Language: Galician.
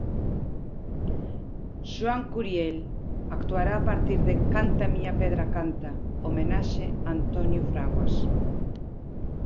Xoán Curiel actuará a partir de Canta miña pedra canta: homenaxe a Antonio Fraguas.